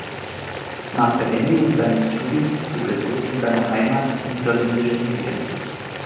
Nach Beendigung seines Studiums zog er zurück in seine Heimat Niederländisch-Indien.